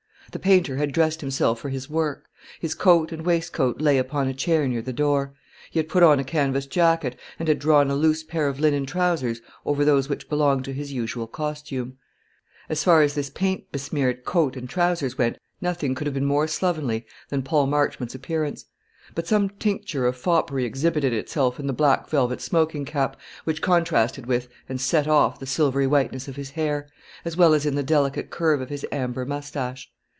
The painter had dressed himself for his work. His coat and waistcoat lay upon a chair near the door. He had put on a canvas jacket, and had drawn a loose pair of linen trousers over those which belonged to his usual costume. So far as this paint besmeared coat and trousers went, nothing could have been more slovenly than Paul Marchmont's appearance; but some tincture of foppery exhibited itself in the black velvet smoking cap, which contrasted with and set off the silvery whiteness of his hair, as well as in the delicate curve of his amber moustache.